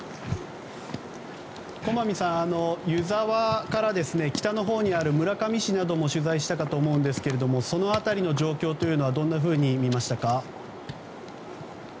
駒見さん、湯沢から北のほうにある村上市なども取材したかと思いますがその辺りの状況はどんなふうに見ましたか？